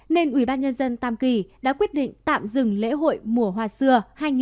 nên ubnd tam kỳ đã quyết định tạm dừng lễ hội mùa hoa xưa hai nghìn hai mươi